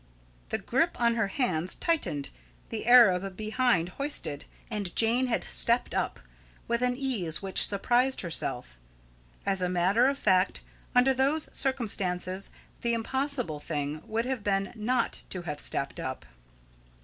the grip on her hands tightened, the Arab behind hoisted, and Jane had stepped up, with an ease which surprised herself. As a matter of fact, under those circumstances the impossible thing would have been not to have stepped up.